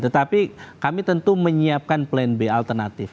tetapi kami tentu menyiapkan plan b alternatif